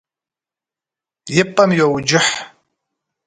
И пӏэм йоуджыхь.